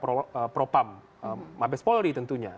saya ingin melaporkan kepada propam mabes polri tentunya